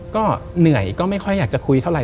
ก็เหนื่อยก็ไม่ค่อยอยากจะคุยเท่าไห